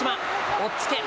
押っつけ。